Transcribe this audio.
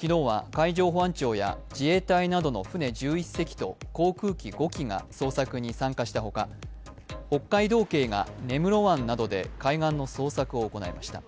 昨日は、海上保安庁や自衛隊などの船１１隻と航空機５機が捜索に参加したほか北海道警が根室湾などで海岸の捜索を行いました。